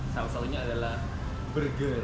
salah salahnya adalah burger